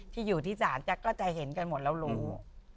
ที่อยู่ที่ศาลแจ๊กก็จะเห็นกันหมดแล้วรู้